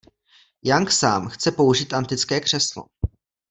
Young sám chce použít antické křeslo.